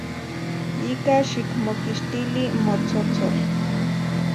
Yika, xikmokixtili motsotsol.